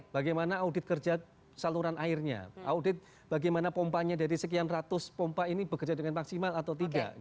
bagaimana audit kerja saluran airnya audit bagaimana pompanya dari sekian ratus pompa ini bekerja dengan maksimal atau tidak